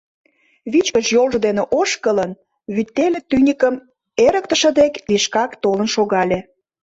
Вичкыж йолжо дене ошкылын, вӱтеле тӱньыкым эрыктыше дек лишкак толын шогале.